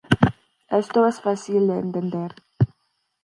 Esto es fácil de entender.